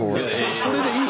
それでいいよ。